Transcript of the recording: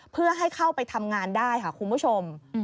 เพื่อให้เข้าไปทำงานได้ค่ะคุณผู้ชม